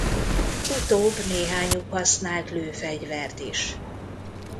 Utóbb néhányuk használt lőfegyvert is.